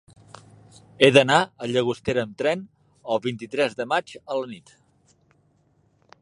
He d'anar a Llagostera amb tren el vint-i-tres de maig a la nit.